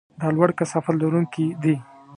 د لوړ کثافت لرونکي دي.